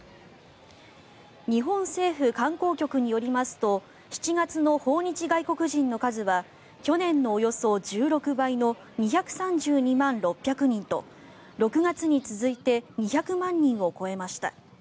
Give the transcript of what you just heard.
日本政府観光局によりますと７月の訪日外国人の数は去年のおよそ１６倍の２３２万６００人と６月に続いて２００万人を超えました。